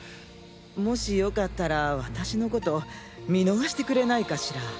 もしよかったら私のこと見逃してくれないかしら。